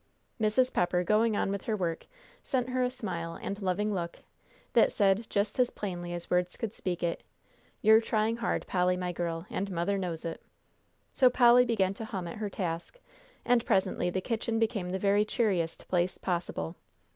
Mrs. Pepper, going on with her work, sent her a smile and loving look, that said just as plainly as words could speak it, "You're trying hard, Polly, my girl, and Mother knows it." So Polly began to hum at her task, and presently the kitchen became the very cheeriest place possible.